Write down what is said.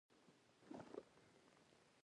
تاریخ چې نسلونو ته درس ورکوي.